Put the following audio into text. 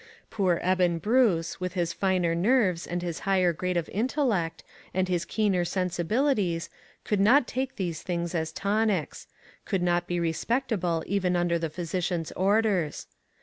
Poor Eben Bruce, with his finer nerves and his higher grade of intellect, and his keener sensibilities, could not take these things as tonics — could not be respectable even under the physician's orders.